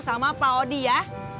sama pak odi ya